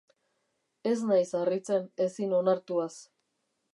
Ez naiz harritzen ezin onartuaz.